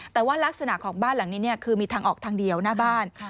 แต่ว่ารักษณะของบ้านหลังนี้คือมีทางออกทางเดียวหน้าบ้าน